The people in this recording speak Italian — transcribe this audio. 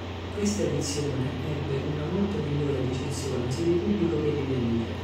Questa edizione ebbe una molto migliore ricezione sia di pubblico, che di vendite.